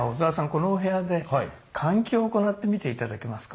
このお部屋で換気を行ってみて頂けますか。